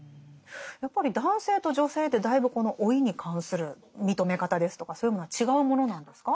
やっぱり男性と女性でだいぶこの老いに関する認め方ですとかそういうものは違うものなんですか？